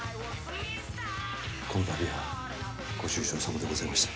この度はご愁傷さまでございました。